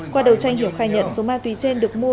qua đầu tranh hiểu khai nhận số ma túy trên được mua